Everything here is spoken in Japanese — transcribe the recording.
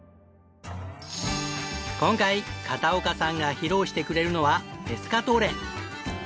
今回片岡さんが披露してくれるのはペスカトーレ！